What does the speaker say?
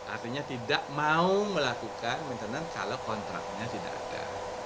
artinya tidak mau melakukan maintenance kalau kontraknya tidak ada